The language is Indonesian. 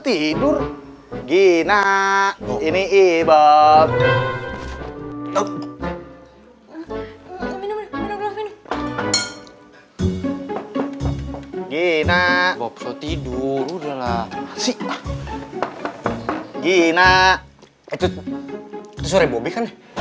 tidur gina ini ibab minum minum gina popso tidur udah lah gina itu sore bobek